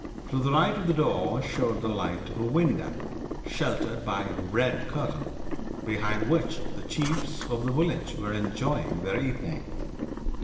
To the right of the door showed the light of a window, sheltered by a red curtain, behind which the chiefs of the village were enjoying their evening.